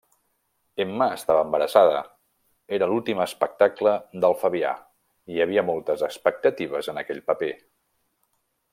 Emma estava embarassada, era l'últim espectacle del Fabià, hi havia moltes expectatives en aquell paper.